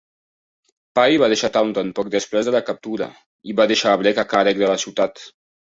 Pye va deixar Taunton poc després de la captura, i va deixar a Blake a càrrec de la ciutat.